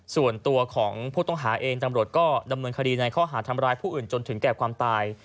ส่วนตัวของผู้ต้องหาเองตำรวจก็ดำเนินคดีในข้อหาทำร้ายผู้อื่นจนถึงแก่ความตาย